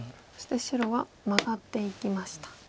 そして白はマガっていきました。